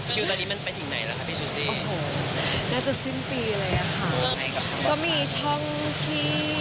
คลิ้วไปนี่มันไปถึงไหนมั้ยค่ะพี่ซึ่งซิ